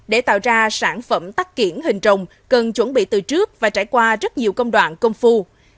để tạo ra sản phẩm tắt kiển hình rồng cần chuẩn bị từ trước và trải qua rất nhiều công đoạn công phu